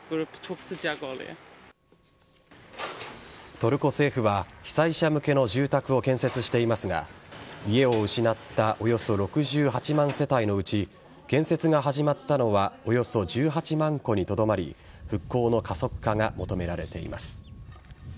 トルコ政府は被災者向けの住宅を建設していますが家を失ったおよそ６８万世帯のうち建設が始まったのはおよそ１８万戸にとどまり復興の加速化が求められています。